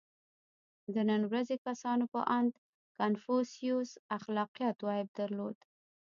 • د نن ورځې کسانو په اند کنفوسیوس اخلاقیاتو عیب درلود.